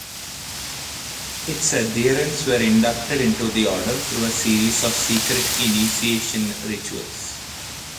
Its adherents were inducted into the order through a series of secret initiation rituals.